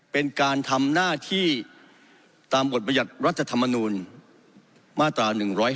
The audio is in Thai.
เป็นการทำหน้าที่ตามบทบรรยัติรัฐธรรมนูลมาตรา๑๔